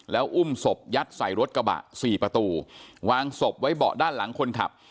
แล้วอุ้มศพยัดใส่รถกระบะสี่ประตูวางศพไว้เบาะด้านหลังคนขับ